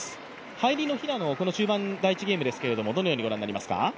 入りの平野は、第１ゲームですけれども、どのようにご覧になりますか？